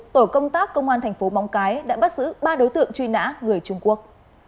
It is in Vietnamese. tổ công tác công an tp mong cái đã bắt giữ ba đối tượng truy nã người trung quốc